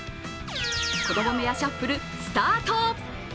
子供部屋シャッフル、スタート！